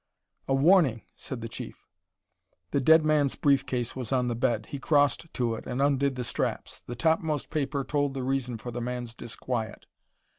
"A warning!" said the Chief. The dead man's brief case was on the bed. He crossed to it and undid the straps; the topmost paper told the reason for the man's disquiet.